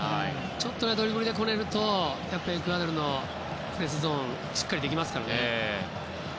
ちょっとドリブルするとエクアドルのプレスゾーンしっかりできますからね。